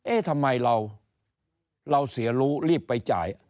ทำไมเราเสียรู้รีบไปจ่าย